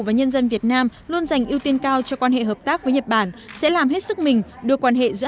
và nhân dân việt nam luôn dành ưu tiên cao cho quan hệ hợp tác với nhật bản sẽ làm hết sức mình đưa